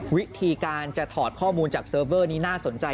วิธีการจะถอดข้อมูลจากเซิร์ฟเวอร์นี้น่าสนใจ